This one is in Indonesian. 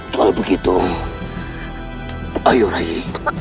kalau begitu ayo rai